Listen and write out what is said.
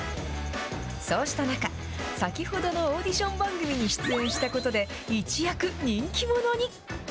そうした中、先ほどのオーディション番組に出演したことで、一躍、人気者に。